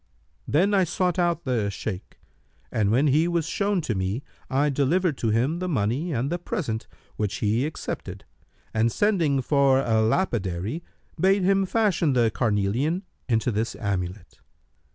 Then I sought out the Shaykh and when he was shown to me I delivered to him the money and the present, which he accepted and sending for a lapidary, bade him fashion the carnelian into this amulet.